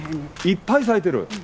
いっぱい咲いてる？